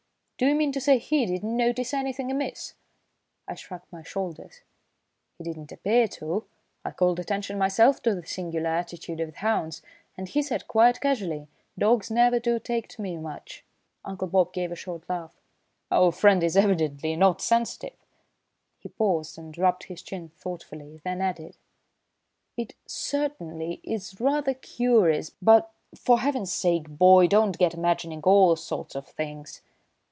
"Do you mean to say he did not notice anything amiss?" I shrugged my shoulders. "He didn't appear to. I called attention myself to the singular attitude of the hounds, and he said quite casually: 'Dogs never do take to me much.'" Uncle Bob gave a short laugh. "Our friend is evidently not sensitive." He paused and rubbed his chin thoughtfully, then added: "It certainly is rather curious, but, for Heaven's sake, boy, don't get imagining all sorts of things!"